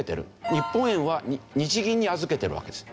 日本円は日銀に預けてるわけです。